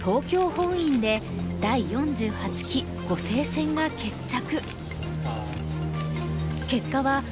本院で第４８期碁聖戦が決着。